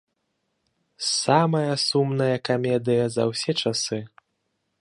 Самая сумнае камедыя за ўсе часы!